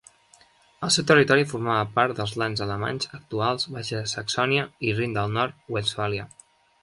El seu territori formava part dels lands alemanys actuals Baixa Saxònia i Rin del Nord-Westfàlia.